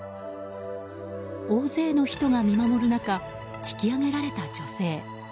大勢の人が見守る中引き上げられた女性。